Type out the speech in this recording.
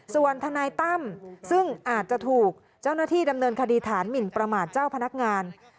ส่วนทนายตั้มซึ่งอาจจะถูกเจ้าหน้าที่ดำเนินคดีฐานหมินประมาทเจ้าพนักงาน